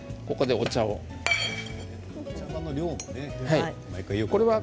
お茶葉の量もね。